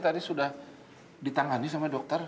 tadi sudah ditangani sama dokter